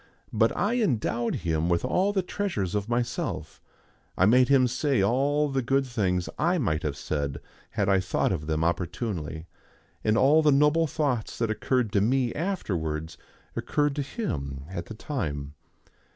But I endowed him with all the treasures of myself; I made him say all the good things I might have said had I thought of them opportunely, and all the noble thoughts that occurred to me afterwards occurred to him at the time.